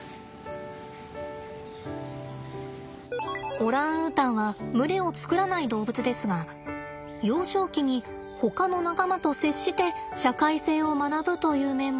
オランウータンは群れを作らない動物ですが幼少期にほかの仲間と接して社会性を学ぶという面もあります。